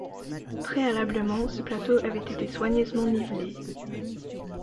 Préalablement, ce plateau avait été soigneusement nivelé.